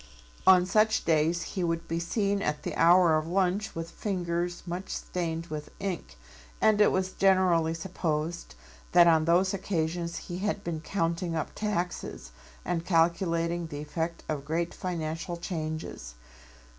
On such days he would be seen at the hour of lunch with fingers much stained with ink, and it was generally supposed that on those occasions he had been counting up taxes and calculating the effect of great financial changes.